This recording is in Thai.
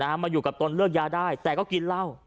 มาอยู่กับตนเลิกยาได้แต่ก็กินเหล้า